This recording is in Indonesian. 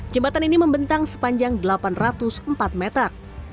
jembatan ini membentang sepanjang delapan ratus empat meter